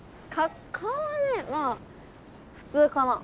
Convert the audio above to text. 顔はねまあ普通かな。